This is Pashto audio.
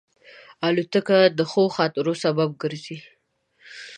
الوتکه د ښو خاطرو سبب ګرځي.